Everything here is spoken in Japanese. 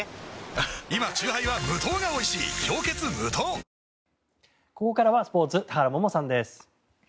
あここからはスポーツ田原萌々さんです。